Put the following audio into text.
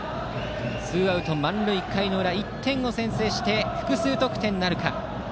ツーアウト、満塁１点先制して複数得点なるか。